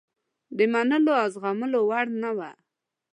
د منلو او زغملو وړ نه وه.